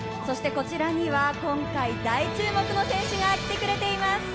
こちらには今回大注目の選手が来てくれています。